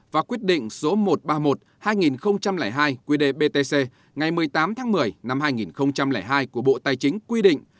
và quyết định số một trăm ba mươi một hai nghìn hai quy đề btc ngày một mươi tám tháng một mươi năm hai nghìn hai của bộ tài chính quy định